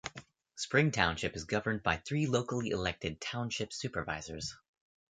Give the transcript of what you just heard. Spring Township is governed by three locally elected Township Supervisors.